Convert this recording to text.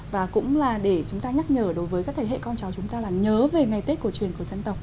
và cũng là để chúng ta nhắc nhở đối với các thế hệ con cháu chúng ta là nhớ về ngày tết cổ truyền của dân tộc